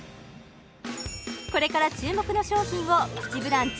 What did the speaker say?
これから注目の商品を「プチブランチ」